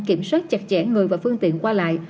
kiểm soát chặt chẽ người và phương tiện qua lại